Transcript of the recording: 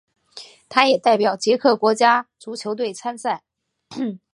他也代表捷克国家足球队参赛。